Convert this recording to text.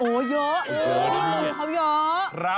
โอ้เยอะเขาเยอะ